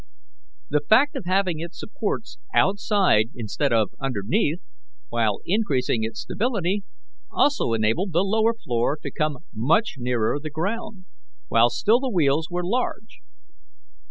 The fact of having its supports outside instead of underneath, while increasing its stability, also enabled the lower floor to come much nearer the ground, while still the wheels were large.